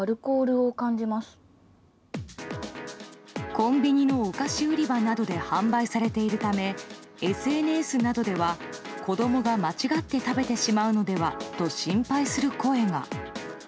コンビニのお菓子売り場などで販売されているためＳＮＳなどでは子供が間違って食べてしまうのではと心配する声が。